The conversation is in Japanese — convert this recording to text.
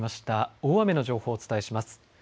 大雨の情報をお伝えします。